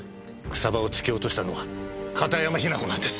草葉を突き落としたのは片山雛子なんです。